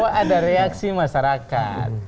bahwa ada reaksi masyarakat